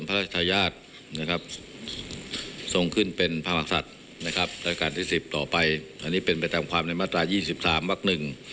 เป็นประตังความในมาตรา๒๓วัคหนึ่ง